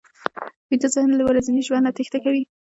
ویده ذهن له ورځني ژوند نه تېښته کوي